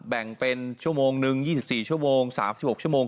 แบ่งเป็นชั่วโมงนึง๒๔ชั่วโมง๓๖ชั่วโมง